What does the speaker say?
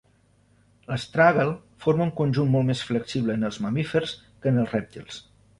L'astràgal forma un conjunt molt més flexible en els mamífers que en els rèptils.